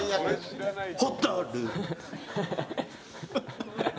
ホタル。